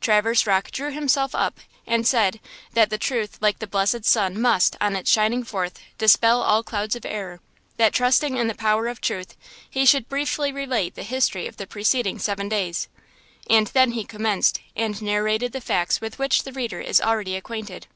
Traverse Rocke drew himself up and said, that the truth, like the blessed sun, must, on its shining forth, dispel all clouds of error; that, trusting in the power of truth, he should briefly relate the history of the preceding seven days. And then he commenced and narrated the facts with which the reader is already acquainted.